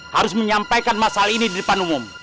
harus menyampaikan masalah ini di depan umum